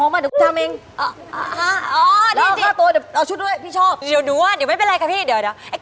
โอเคไม่เป็นไรงั้นนี่มึงทำก็ได้